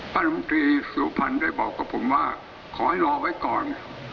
ป๊ารุมทรีย์สวพรรณได้บอกกอบผมว่าขอให้นอไว้ก่อน